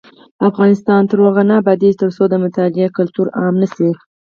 افغانستان تر هغو نه ابادیږي، ترڅو د مطالعې کلتور عام نشي.